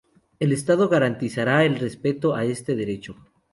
El Estado garantizará el respeto a este derecho.